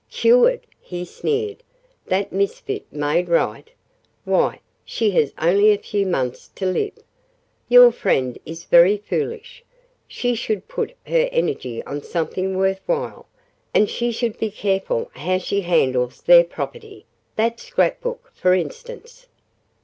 "Cured!" he sneered. "That misfit made right! Why, she has only a few months to live. Your friend is very foolish. She should put her energy on something worth while. And she should be careful how she handles their property. That scrapbook, for instance."